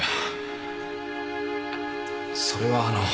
それはあの